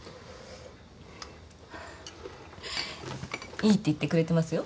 いいって言ってくれてますよ。